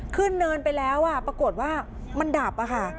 เนินไปแล้วปรากฏว่ามันดับอะค่ะ